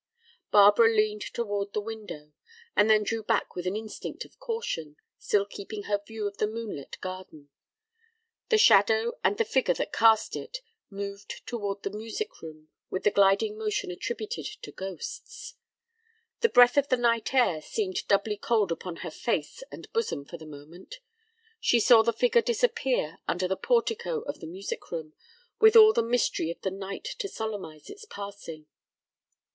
Barbara leaned toward the window, and then drew back with an instinct of caution, still keeping her view of the moonlit garden. The shadow and the figure that cast it moved toward the music room with the gliding motion attributed to ghosts. The breath of the night air seemed doubly cold upon her face and bosom for the moment. She saw the figure disappear under the portico of the music room with all the mystery of the night to solemnize its passing.